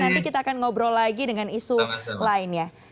nanti kita akan ngobrol lagi dengan isu lainnya